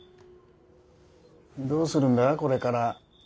どうするんだこれから。